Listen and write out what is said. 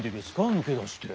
抜け出して。